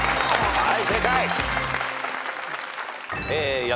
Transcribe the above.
はい。